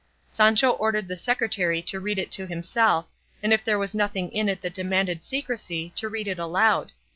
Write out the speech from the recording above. Sancho ordered the secretary to read it to himself, and if there was nothing in it that demanded secrecy to read it aloud.